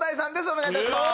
お願いいたします。